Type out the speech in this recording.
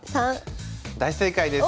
大正解です。